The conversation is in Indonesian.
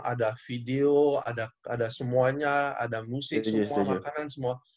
ada video ada semuanya ada musik semua makanan semua